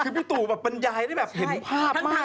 คือพี่ตูปัญญายได้เห็นภาพมาก